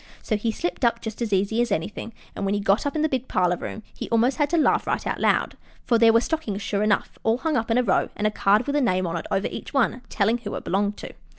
So he slipped up just as easy as anything, and when he got up in the big parlor room he almost had to laugh right out loud, for there were the stockings sure enough, all hung up in a row, and a card with a name on it over each one telling who it belonged to.